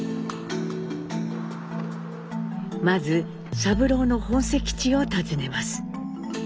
まず三郎の本籍地を訪ねます。